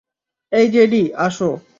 এই, জেডি, আসো।